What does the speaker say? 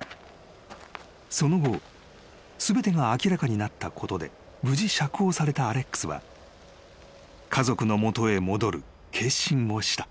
［その後全てが明らかになったことで無事釈放されたアレックスは家族の元へ戻る決心をした］